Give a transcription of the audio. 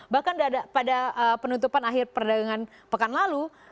bahkan pada penutupan akhir perdagangan pekan lalu